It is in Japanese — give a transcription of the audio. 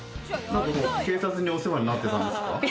警察にお世話になってたんですか？